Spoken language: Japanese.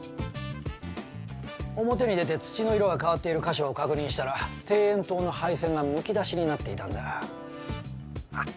表に出て土の色が変わっている箇所を確認したら庭園灯の配線が剥き出しになっていたんだ。